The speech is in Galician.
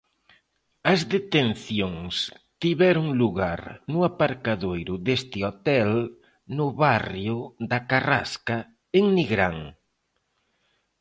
As detencións tiveron lugar no aparcadoiro deste hotel no barrio da Carrasca en Nigrán.